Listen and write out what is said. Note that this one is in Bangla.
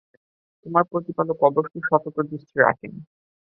তোমার প্রতিপালক অবশ্যই সতর্ক দৃষ্টি রাখেন।